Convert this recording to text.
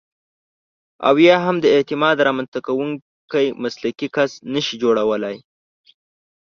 او یا هم د اعتماد رامنځته کوونکی مسلکي کس نشئ جوړولای.